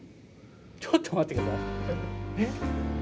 ちょっと待って下さい。